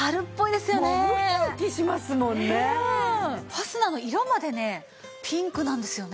ファスナーの色までねピンクなんですよね。